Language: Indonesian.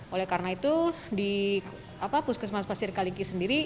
oleh karena itu di puskesmas pasir kaliki sendiri